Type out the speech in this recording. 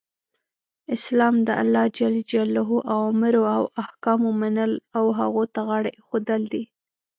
اسلام د الله ج اوامرو او احکامو منل او هغو ته غاړه ایښودل دی .